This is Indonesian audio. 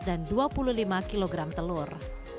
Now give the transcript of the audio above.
dan dua puluh lima kg telur